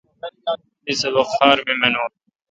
دی سبق خار می مینون۔